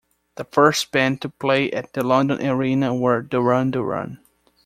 The first band to play at the London Arena were Duran Duran.